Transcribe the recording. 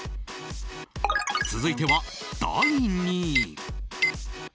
続いては、２位。